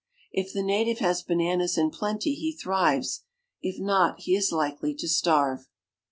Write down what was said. If the native has bananas in plenty, he thrives ; if not, he is likely to starve.